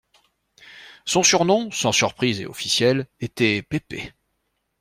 Son surnom, sans surprise et officiel, était Pépé.